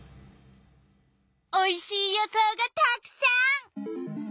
おいしい予想がたくさん！